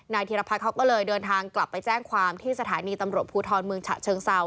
ธีรพัฒน์เขาก็เลยเดินทางกลับไปแจ้งความที่สถานีตำรวจภูทรเมืองฉะเชิงเซา